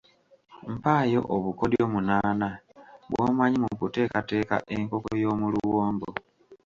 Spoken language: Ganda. Mpaayo obukodyo munaana bw’omanyi mu kuteekateeka enkoko y’omu luwombo.